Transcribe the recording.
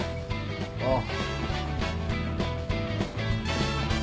ああ。